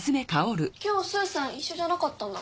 今日スーさん一緒じゃなかったんだ。